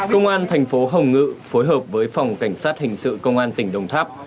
công an thành phố hồng ngự phối hợp với phòng cảnh sát hình sự công an tỉnh đồng tháp